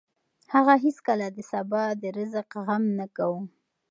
هغه هېڅکله د سبا د رزق غم نه کاوه.